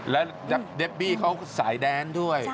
แล้วเดบบี้เขาสายแดนด้วย